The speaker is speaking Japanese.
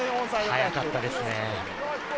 速かったですね。